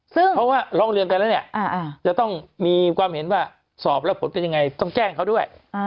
ซึ่งเพราะว่าร้องเรียนกันแล้วเนี่ยจะต้องมีความเห็นว่าสอบแล้วผลเป็นยังไงต้องแจ้งเขาด้วย